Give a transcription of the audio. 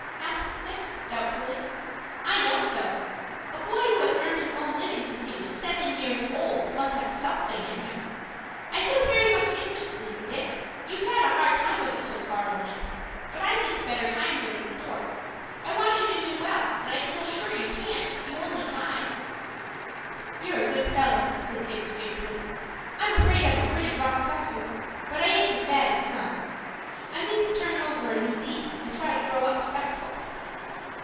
asked Dick, doubtfully. "I know so. A boy who has earned his own living since he was seven years old must have something in him. I feel very much interested in you, Dick. You've had a hard time of it so far in life, but I think better times are in store. I want you to do well, and I feel sure you can if you only try." "You're a good fellow," said Dick, gratefully. "I'm afraid I'm a pretty rough customer, but I aint as bad as some. I mean to turn over a new leaf, and try to grow up 'spectable."